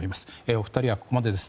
お二人はここまでです。